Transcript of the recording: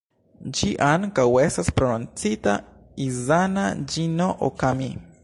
Ĝi ankaŭ estas prononcita "Izanagi-no-Okami".